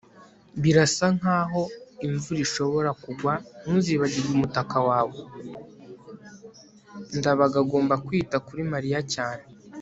ndabaga agomba kwita kuri mariya cyane